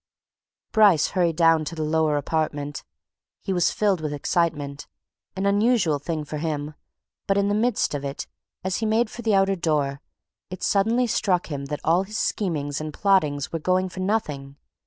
Bryce hurried down to the lower apartment. He was filled with excitement an unusual thing for him but in the midst of it, as he made for the outer door, it suddenly struck him that all his schemings and plottings were going for nothing.